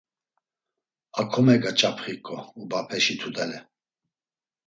A komegaç̌apxiǩo ubapeşi tudele.